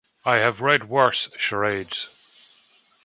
I have read worse charades.